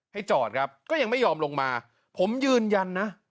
จอดครับก็ยังไม่ยอมลงมาผมยืนยันนะ